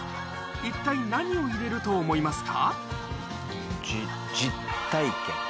一体何を入れると思いますか？